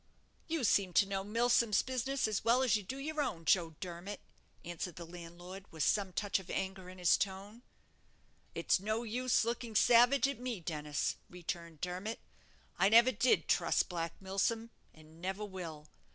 "You seem to know Milsom's business as well as you do your own, Joe Dermot," answered the landlord, with some touch of anger in his tone. "It's no use looking savage at me, Dennis," returned Dermot; "I never did trust Black Milsom, and never will.